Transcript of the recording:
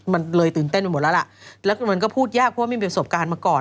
มันเลยตื่นเต้นไปหมดแล้วล่ะแล้วมันก็พูดยากเพราะว่าไม่มีประสบการณ์มาก่อน